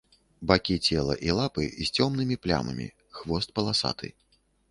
Бакі цела і лапы з цёмнымі плямамі, хвост паласаты.